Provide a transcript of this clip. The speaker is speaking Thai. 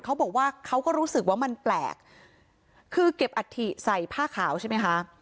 เขาบอกว่าเขาก็รู้สึกว่ามันแปลกคือเก็บอัฐิใส่ผ้าขาวใช่ไหมคะ